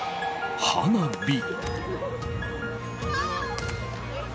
花火。